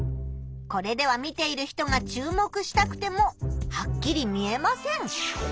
これでは見ている人が注目したくてもはっきり見えません。